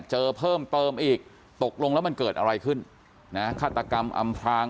เจอเพิ่มเติมอีกตกลงแล้วมันเกิดอะไรขึ้นนะฆาตกรรมอำพลาง